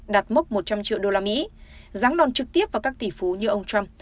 đạt mốc một trăm linh triệu usd ráng đòn trực tiếp vào các tỷ phú như ông trump